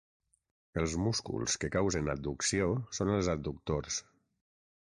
Els músculs que causen adducció són els adductors.